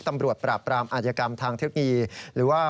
ตำรวจปราบรามอาจกรรมทางเทศงีหรือว่า